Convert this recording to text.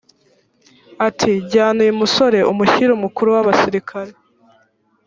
ati jyana uyu musore umushyire umukuru w abasirikare